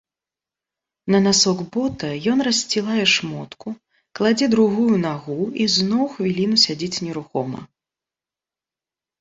На насок бота ён рассцілае шмотку, кладзе другую нагу і зноў хвіліну сядзіць нерухома.